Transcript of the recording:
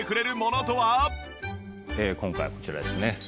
今回はこちらですね。